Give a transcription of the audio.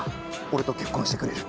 俺と結婚してくれる？